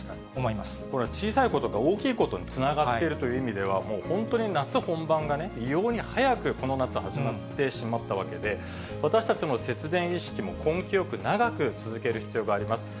これは小さいことが大きいことにつながっているという意味では、もう本当に夏本番がね、異様に早くこの夏、始まってしまったわけで、私たちの節電意識も、根気よく長く続ける必要があります。